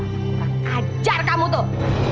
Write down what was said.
kurang ajar kamu tuh